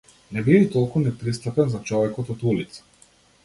Не биди толку непристапен за човекот од улица.